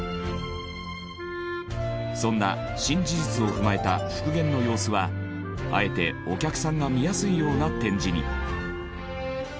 そんな新事実を踏まえた復元の様子はあえてお客さんが見やすいような展示に。